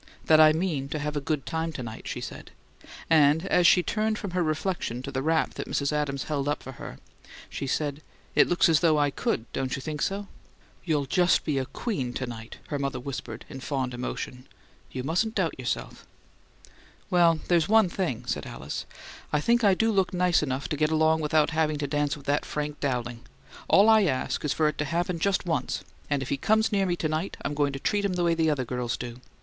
"That I mean to have a good time to night," she said; and as she turned from her reflection to the wrap Mrs. Adams held up for her, "It looks as though I COULD, don't you think so?" "You'll just be a queen to night," her mother whispered in fond emotion. "You mustn't doubt yourself." "Well, there's one thing," said Alice. "I think I do look nice enough to get along without having to dance with that Frank Dowling! All I ask is for it to happen just once; and if he comes near me to night I'm going to treat him the way the other girls do.